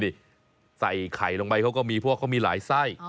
นี่ใส่ไข่ลงไปเขาก็มีเพราะว่าเขามีหลายไส้